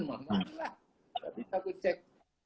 tapi takut cek